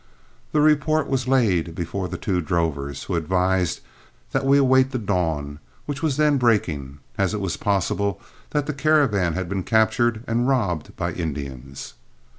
The report was laid before the two drovers, who advised that we await the dawn, which was then breaking, as it was possible that the caravan had been captured and robbed by Indians.